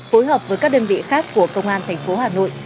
phối hợp với các đơn vị khác của công an thành phố hà nội